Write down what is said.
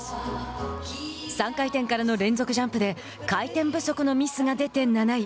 ３回転からの連続ジャンプで回転不足のミスが出て７位。